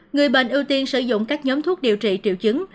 người bệnh ưu tiên sử dụng các nhóm thuốc điều trị triệu chứng